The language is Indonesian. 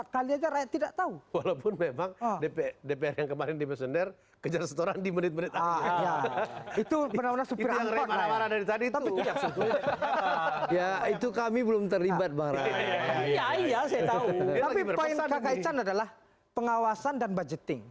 kakak ican adalah pengawasan dan budgeting